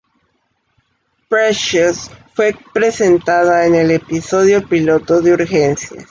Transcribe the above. Precious fue presentada en el episodio piloto de "Urgencias".